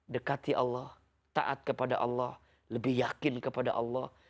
dekati allah taat kepada allah lebih yakin kepada allah